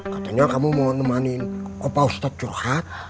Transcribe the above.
katanya kamu mau nemanin opa ustadz curhat